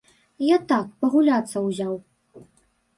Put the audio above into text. Я так, пагуляцца ўзяў.